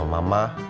kamu ke jakarta sih